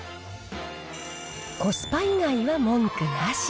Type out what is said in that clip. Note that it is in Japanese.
コスパ以外は文句なし。